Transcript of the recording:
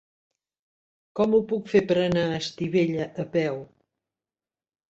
Com ho puc fer per anar a Estivella a peu?